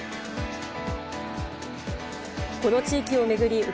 この地域を巡り